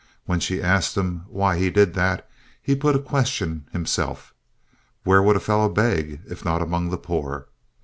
When she asked him why he did that, he put a question himself: "Where would a fellow beg if not among the poor?"